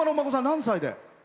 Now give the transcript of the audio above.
何歳で？